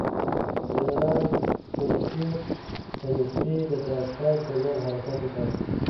جنرال ستولیتوف سمدستي د تاشکند پر لور حرکت وکړ.